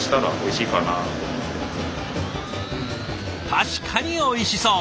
確かにおいしそう！